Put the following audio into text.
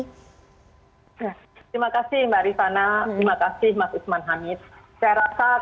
terima kasih mbak rifana terima kasih mas usman hamid